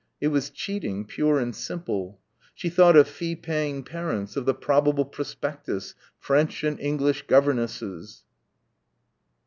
It was cheating, pure and simple. She thought of fee paying parents, of the probable prospectus. "French and English governesses."